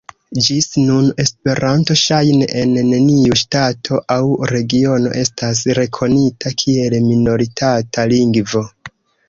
Ĝis nun Esperanto ŝajne en neniu ŝtato aŭ regiono estas rekonita kiel minoritata lingvo.